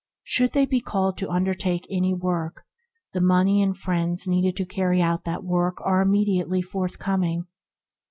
Should they be called to undertake any work, the money and friends needed to carry out that work are immediately forthcoming.